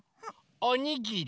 おにぎり。